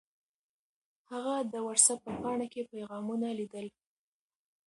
هغه د وټس اپ په پاڼه کې پیغامونه لیدل.